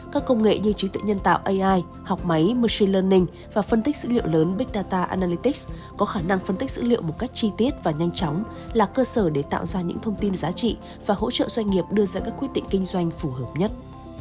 các công nghệ như trí tuệ nhân tạo học máy và phân tích dữ liệu lớn có khả năng phân tích dữ liệu một cách chi tiết và nhanh chóng là cơ sở để tạo ra những thông tin giá trị và hỗ trợ doanh nghiệp đưa ra các quyết định kinh doanh phù hợp nhất